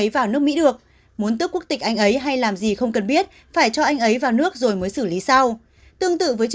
vị này phân tích